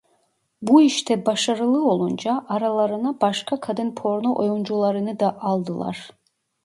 Bu işte başarılı olunca aralarına başka kadın porno oyuncularını da aldılar.